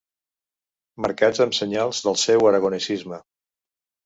Marcats amb senyals del seu aragonesisme.